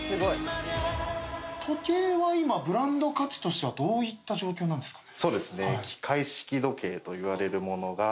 時計は今ブランド価値としてはどういった状況なんですかね？